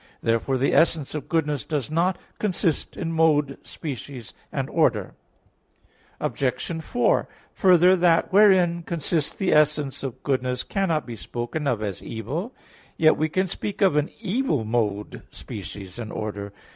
Therefore the essence of goodness does not consist in mode, species and order. Obj. 4: Further, that wherein consists the essence of goodness cannot be spoken of as evil. Yet we can speak of an evil mode, species and order.